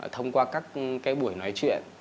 thông qua các cái buổi nói chuyện